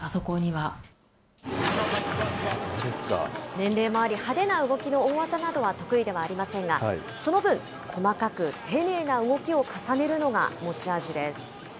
年齢もあり、派手な動きの大技などは得意ではありませんが、その分、細かく丁寧な動きを重ねるのが持ち味です。